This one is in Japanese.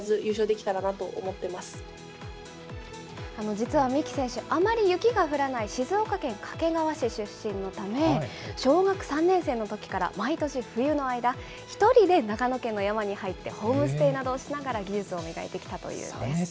実は三木選手、あまり雪が降らない静岡県掛川市出身のため、小学３年生のときから毎年冬の間、１人で長野県の山に入って、ホームステイなどをしながら技術を磨いてきたというんです。